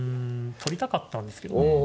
取りたかったんですけどね。